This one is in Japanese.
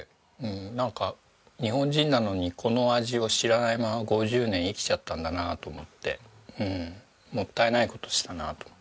なんか日本人なのにこの味を知らないまま５０年生きちゃったんだなと思ってもったいない事したなと。